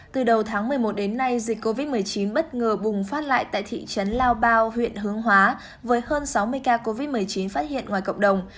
từ đầu tháng một mươi một đến nay dịch covid một mươi chín bất ngờ bùng phát lại tại thị trấn lao bao huyện hướng hóa với hơn sáu mươi ca covid một mươi chín phát hiện ngoài cộng đồng